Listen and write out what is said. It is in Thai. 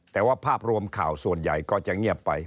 แต่ว่าภาพรวมข่าวส่วนใหญ่ก็จะเงียบไป